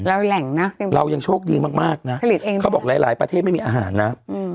เราแหล่งนะเรายังโชคดีมากมากนะเขาบอกหลายหลายประเทศไม่มีอาหารนะอืม